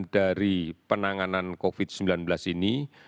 dari penanganan covid sembilan belas ini